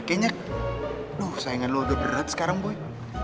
kayaknya sayangan lo udah berat sekarang boy